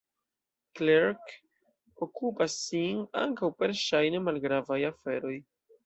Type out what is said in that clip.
Clarke okupas sin ankaŭ per ŝajne malgravaj aferoj.